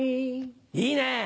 いいね。